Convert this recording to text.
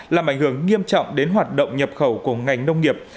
làm ảnh hưởng nghiêm trọng đến hoạt động nhập khẩu của ngành nông nghiệp